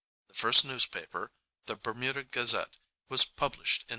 The first newspaper, the Bermuda Gazette, was published in 1784.